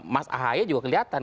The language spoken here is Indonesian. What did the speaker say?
mas ahy juga kelihatan